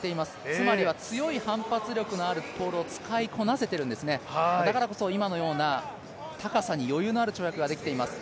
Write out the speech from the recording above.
つまりは強い反発力のあるポールを使いこなせてるんですねだからこそ今のような高さに余裕のある跳躍ができています。